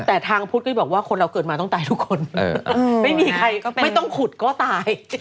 แต่ทางพุทธก็เลยบอกว่าคนเราเกิดมาต้องตายทุกคนไม่มีใครไม่ต้องขุดก็ตาย